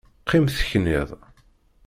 Qqim tekniḍ!